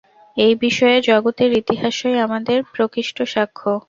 এ-বিষয়ে জগতের ইতিহাসই আমাদের প্রকৃষ্ট সাক্ষ্য।